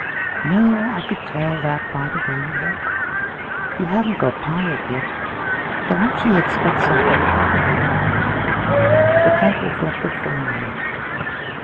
'No, I could tell that by the way you walk. You haven't got tired yet. Perhaps you expect something at the other end?' The tramp reflected for a moment.